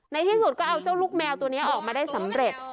ในที่สุดก็เอาเจ้าลูกแมวตัวนี้ออกมาได้สำเร็จ